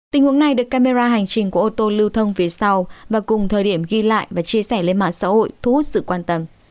tình huống này được camera hành trình của ô tô lưu thông phía sau và cùng thời điểm ghi lại và chia sẻ lên mạng xã hội thu hút sự quan tâm